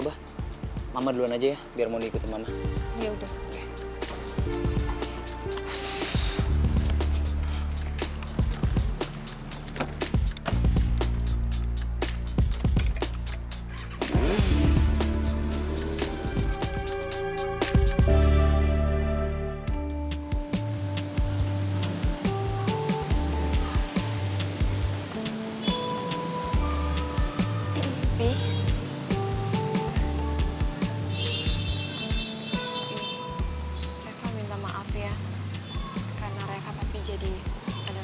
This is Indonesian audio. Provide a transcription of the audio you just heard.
wah ternyata orangnya lumayan ganteng juga